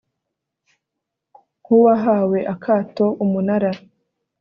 nk uwahawe akato Umunara